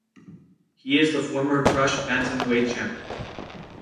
He is the former Krush Bantamweight champion.